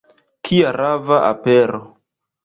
Kia rava apero!